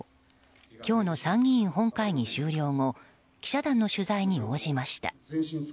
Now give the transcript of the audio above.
今日の参議院本会議終了後記者団の取材に応じました。